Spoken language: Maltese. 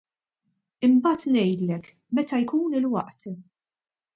Imbagħad ngħidlek, meta jkun il-waqt!